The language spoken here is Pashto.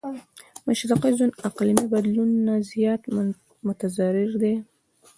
مشرقي زون اقليمي بدلون نه زيات متضرره دی.